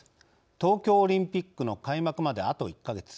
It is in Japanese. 東京オリンピックの開幕まであと１か月。